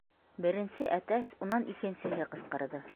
Беренсе әтәс, унан икенсеһе ҡысҡырҙы.